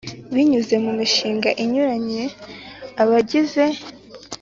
binyuze mu mishinga inyuranye Abagize